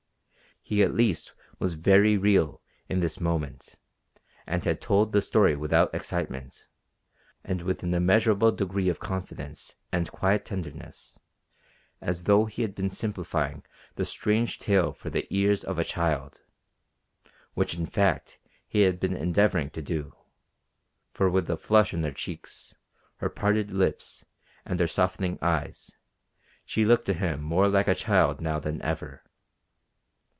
He at least was very real in this moment, and he had told the story without excitement, and with an immeasurable degree of confidence and quiet tenderness as though he had been simplifying the strange tale for the ears of a child, which in fact he had been endeavouring to do; for with the flush in her cheeks, her parted lips, and her softening eyes, she looked to him more like a child now than ever.